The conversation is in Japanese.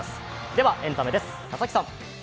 ではエンタメです。